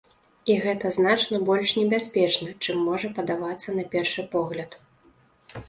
І гэта значна больш небяспечна, чым можа падавацца на першы погляд.